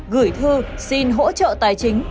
gửi thư xin hỗ trợ tài chính